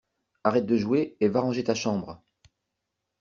Arrête de jouer et va ranger ta chambre!